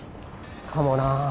かもな。